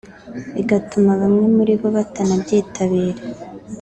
bigatuma bamwe muri bo batanabyitabira